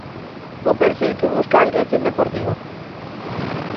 O perfil que busca a dirección deportiva.